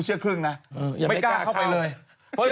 อย่ายังไม่กล้าเข้าไปเลย